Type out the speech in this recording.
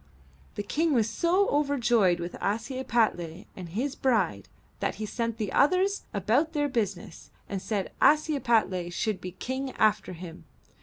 The King was so overjoyed with Ashiepattle and his bride that he sent the others about their business, and said Ashiepattle should be King after him.